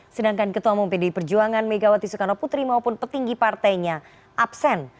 sedangkan ketua umum pdi perjuangan megawati soekarno putri maupun petinggi partainya absen